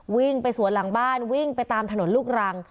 วิ่งไปสวนหลังบ้านวิ่งไปตามถนนลูกรัง